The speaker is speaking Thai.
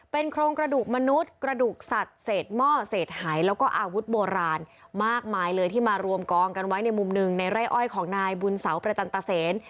เป็นโครงกระดูกมนุษย์กระดูกสัตว์เศษหม้อเศษหายแล้วก็อาวุธโบราณมากมายเลยที่มารวมกองกันไว้ในมุมหนึ่งในไร่อ้อยของนายบุญเสาประจันตเซน